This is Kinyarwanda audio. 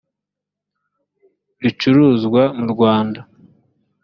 ricuruzwa mu rwanda.